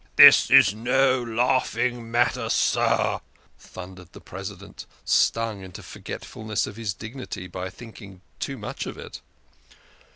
"This is no laughing matter, sir," thundered the Presi dent, stung into forgetfulness of his dignity by thinking too much of it.